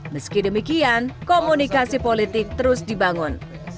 meski demikian komunikasi politik terus dibangun